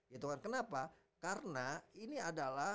gitu kan kenapa karena ini adalah